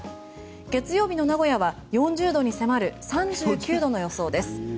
月曜日の名古屋は４０度に迫る３９度の予想です。